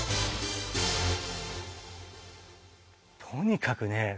とにかくね